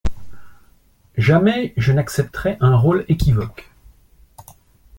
Jamais je n'accepterai un rôle équivoque.